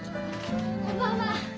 こんばんは。